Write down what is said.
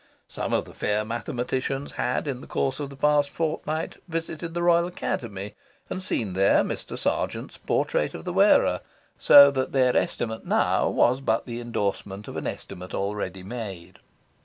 Some of the fair mathematicians had, in the course of the past fortnight, visited the Royal Academy and seen there Mr. Sargent's portrait of the wearer, so that their estimate now was but the endorsement of an estimate already made.